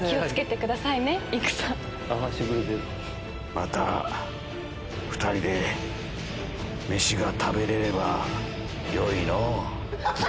また２人でめしが食べれればよいのぉ。